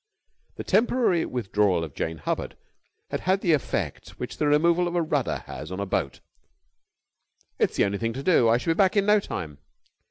The temporary withdrawal of Jane Hubbard had had the effect which the removal of a rudder has on a boat. "It's the only thing to do. I shall be back in no time."